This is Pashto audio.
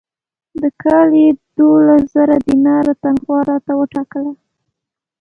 د کاله یې دوولس زره دیناره تنخوا راته وټاکله.